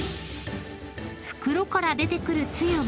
［袋から出てくるつゆは］